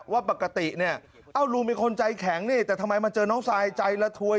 ว่าปกติลุงมีคนใจแข็งแต่ทำไมมาเจอน้องซายใจละทวย